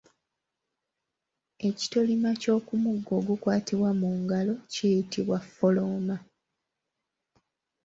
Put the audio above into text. Ekitolima ky’okumuggo ogukwatibwa mu ngalo kiyitibwa ffolooma.